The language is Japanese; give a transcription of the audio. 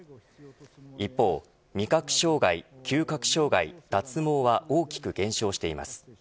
一方、味覚障害嗅覚障害、脱毛は大きく減少しています。